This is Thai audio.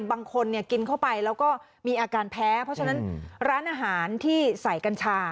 บางคนกินเข้าไปแล้วก็มีอาการแพ้เพราะฉะนั้นร้านอาหารที่ใส่กัญชา